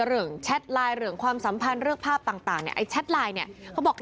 เหลืองแชทไลน์เหลืองความสัมพันธ์เลือกภาพต่างไอ้แชทไลน์นี่เขาบอกในเมื่อ